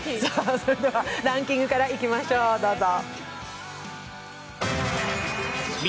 それではランキングからいきましょう、どうぞ。